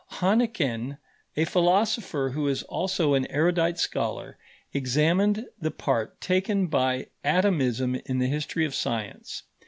Hannequin, a philosopher who is also an erudite scholar, examined the part taken by atomism in the history of science.